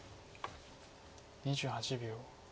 ２８秒。